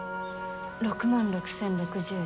６万６，０６０円。